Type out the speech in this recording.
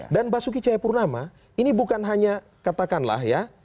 dan basuki chaepurnama ini bukan hanya katakanlah ya